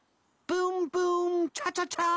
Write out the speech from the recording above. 「ブーンブーンチャチャチャ」アハ。